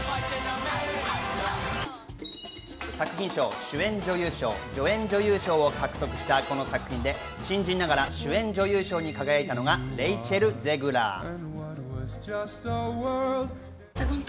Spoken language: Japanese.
作品賞、主演女優賞、助演女優賞を獲得したこの作品で新人ながら主演女優賞に輝いたのがレイチェル・ゼグラー。